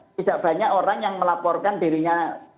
tidak banyak orang yang melaporkan dirinya